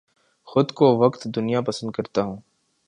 خود کو وقت دنیا پسند کرتا ہوں